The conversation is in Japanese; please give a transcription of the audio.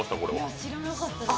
知らなかったです。